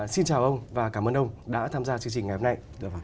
xin chào ông và cảm ơn ông đã tham gia chương trình ngày hôm nay